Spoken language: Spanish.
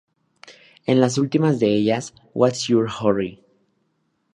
En las últimas de ellas, "What's Your Hurry?